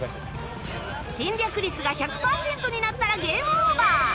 侵略率が１００パーセントになったらゲームオーバー